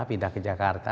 pindah ke jakarta